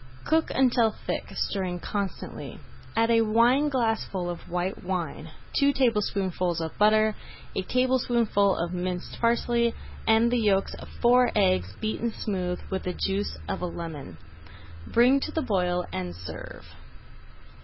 Cook until thick, stirring constantly. Add a wineglassful of white wine, two tablespoonfuls of butter, a tablespoonful of minced parsley, and the yolks of four eggs beaten smooth with the juice of a lemon. Bring to the boil and serve.